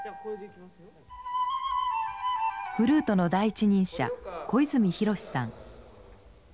フルートの第一人者小泉浩さん。